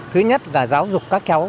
thứ nhất là giáo dục các cháu